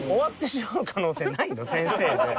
先生で。